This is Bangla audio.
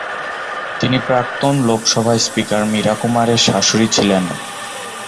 তিনি প্রাক্তন লোকসভা স্পিকার মীরা কুমারের শাশুড়ি ছিলেন।